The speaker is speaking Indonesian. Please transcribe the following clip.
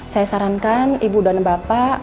saya sarankan ibu dan bapak